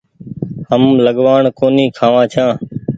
هم لڳوآڻ ڪونيٚ کآوآن ڇآن